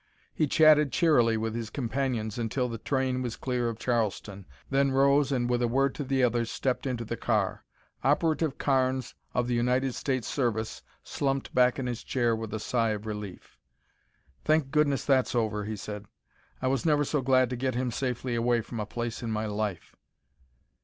He chatted cheerily with his companions until the train was clear of Charleston, then rose, and with a word to the others stepped into the car. Operative Carnes of the United States Service slumped back in his chair with a sigh of relief. "Thank Goodness, that's over," he said. "I was never so glad to get him safely away from a place in my life."